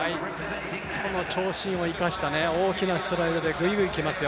この長身を生かした大きなストライドでぐいぐいきますよ。